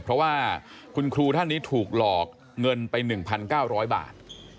เพราะว่าคุณครูท่านนี้ถูกหลอกเงินไป๑๙๐๐บาท